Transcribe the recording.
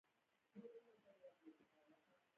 دا علمي او فکري کار دی.